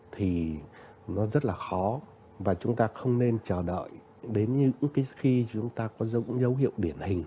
thì nó rất là khó và chúng ta không nên chờ đợi đến những cái khi chúng ta có dấu hiệu điển hình